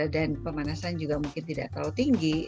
dan pemanasan juga mungkin tidak terlalu tinggi